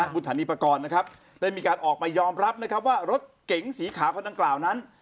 บุญฐานีปกรนะครับได้มีการออกไปยอมรับว่ารถเก๋งสีขาพระนังกล่าวนั้น